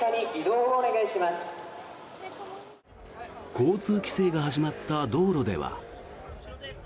交通規制が始まった道路では。